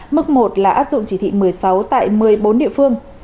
mức một là áp dụng chỉ thị một mươi sáu tại một mươi bốn địa phương